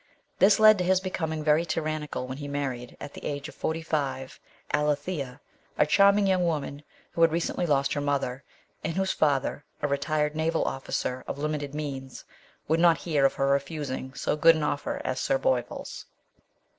This led to his becoming very tyrannical when he marrie.l, at the age of 45, Alethea, a charming young woman who had recently lost her mother, and whose father, a retired naval officer of limited means, would not hear of her refusing so good an offer as Sir Boyviil's.